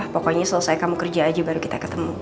pokoknya selesai kamu kerja aja baru kita ketemu